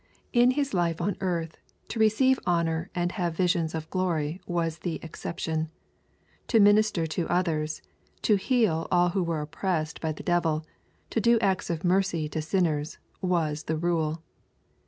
In His life on earth, to receive honor and have visions of glory was the exception. To minister to others, to heal all who were oppressed by the devil, to do acts of mercy to sinners, was the rule.